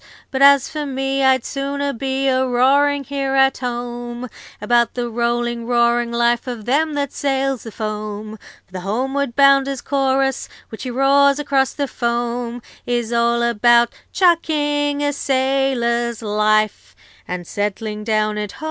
'But as for me, I'd sooner be A roaring here at home About the rolling, roaring life Of them that sails the foam. 'For the homeward bounder's chorus, Which he roars across the foam, Is all about chucking a sailor's life, And settling down at home.